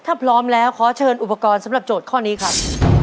ถ้าพร้อมแล้วขอเชิญอุปกรณ์สำหรับโจทย์ข้อนี้ครับ